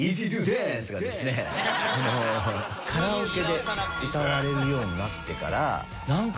カラオケで歌われるようになってから。